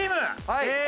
はい！